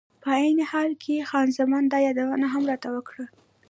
په عین حال کې خان زمان دا یادونه هم راته وکړه.